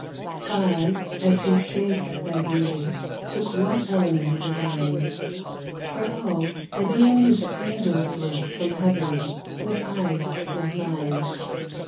God, as He shaped thy beauty, took What element divine? For Oh! I deem His angels look From Heaven with eyes like thine.